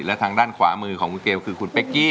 และทางด้านขวามือของคุณเกลคือคุณเป๊กกี้